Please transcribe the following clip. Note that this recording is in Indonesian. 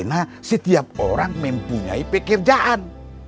karena setiap orang mempunyai pekerjaan